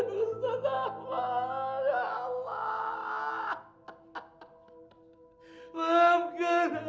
di dalam bercut sinyal